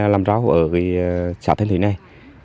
làm rau ở xã thanh thủy này